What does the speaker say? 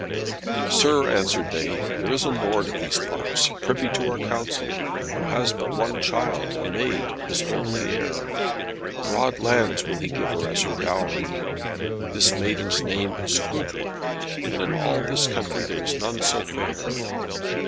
"Sir," answered they, "there is a lord of these parts, privy to our counsel, who has but one child, a maid, his only heir. Broad lands will he give as her dowry. This damsel's name is Coudre, and in all this country there is none so fair.